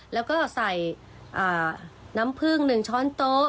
แล้วก็ใส่น้ำผึ้ง๑ช้อนโต๊ะ